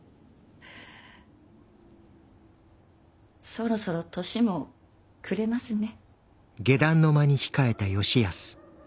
そろそろ年も暮れますね。